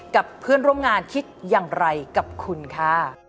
กับเพื่อนร่วมงานคิดอย่างไรกับคุณค่ะ